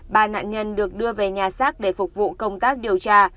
ba nạn nhân được đưa về nhà xác để phục vụ công tác điều tra